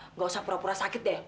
nggak usah pura pura sakit deh